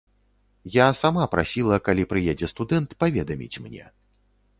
Я сама прасіла, калі прыедзе студэнт, паведаміць мне.